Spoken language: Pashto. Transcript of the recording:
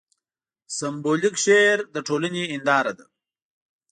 سېمبولیک شعر د ټولنې هینداره ده.